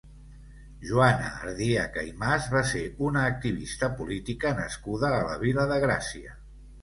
Joana Ardiaca i Mas va ser una activista política nascuda a la Vila de Gràcia.